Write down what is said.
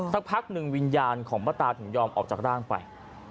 สักพักหนึ่งวิญญาณของป้าตาถึงยอมออกจากร่างไป